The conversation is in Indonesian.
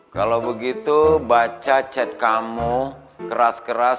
kalau begitu baca chat kamu keras keras